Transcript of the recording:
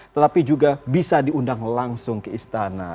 tetapi juga bisa diundang langsung ke istana